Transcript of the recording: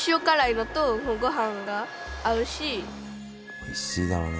おいしいだろうね。